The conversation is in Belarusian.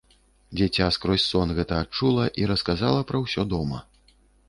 Дзіця скрозь сон гэта адчула і расказала пра ўсё дома.